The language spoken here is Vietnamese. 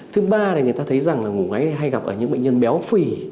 thứ ba là người ta thấy rằng là ngủ ấy hay gặp ở những bệnh nhân béo phì